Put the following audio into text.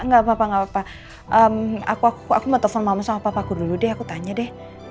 gak apa apa aku mau telfon mama sama papa aku dulu deh aku tanya deh